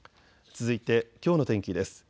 続いてきょうの天気です。